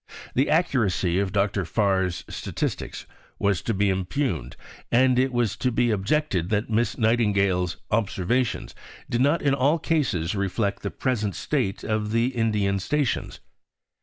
The accuracy of Dr. Farr's statistics was to be impugned; and it was to be objected that Miss Nightingale's "Observations" did not in all cases reflect the present state of the Indian stations.